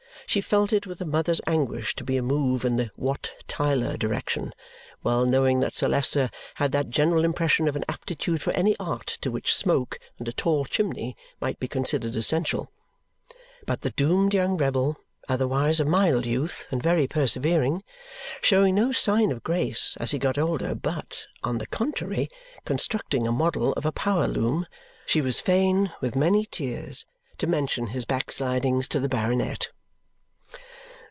She felt it with a mother's anguish to be a move in the Wat Tyler direction, well knowing that Sir Leicester had that general impression of an aptitude for any art to which smoke and a tall chimney might be considered essential. But the doomed young rebel (otherwise a mild youth, and very persevering), showing no sign of grace as he got older but, on the contrary, constructing a model of a power loom, she was fain, with many tears, to mention his backslidings to the baronet.